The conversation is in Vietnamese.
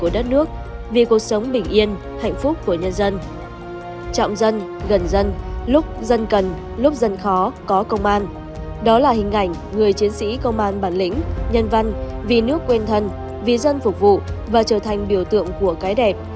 đó là hình ảnh người chiến sĩ công an bản lĩnh nhân văn vì nước quen thân vì dân phục vụ và trở thành biểu tượng của cái đẹp